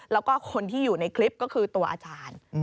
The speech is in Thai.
แล้วก็คนที่อยู่ในคลิปก็คือตัวอาจารย์